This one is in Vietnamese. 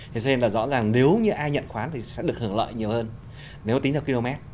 thế cho nên là rõ ràng nếu như ai nhận khoán thì sẽ được hưởng lợi nhiều hơn nếu tính theo km